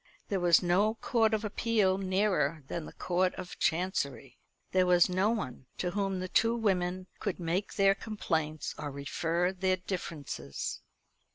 There was no court of appeal nearer than the Court of Chancery. There was no one to whom the two women could make their complaints or refer their differences.